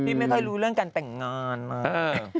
ไม่ค่อยรู้เรื่องการแต่งงานมาก